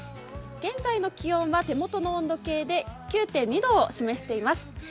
現在の気温は手元の温度計で９．２度を示しています。